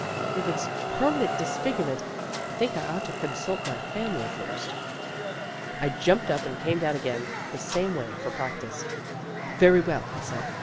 If it's permanent disfigurement I think I ought to consult my family first." I jumped up and came down again the same way for practice. "Very well," I said.